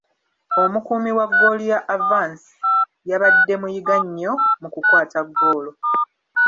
Omukuumi wa ggoolo ya Avance yabadde muyiga nnyo mu kukwata ggoolo.